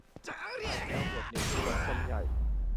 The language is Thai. พลายแก้วบวชเณรที่วัดส้มใหญ่